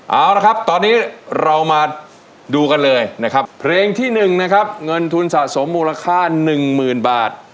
เอาละครับตอนนี้เรามาดูกันเลยนะครับเพลงที่๑นะครับเงินทุนสะสมมูลค่าหนึ่งหมื่นบาท